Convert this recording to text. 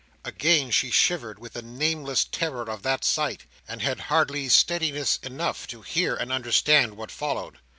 Again she shivered with the nameless terror of that sight, and had hardly steadiness enough to hear and understand what followed.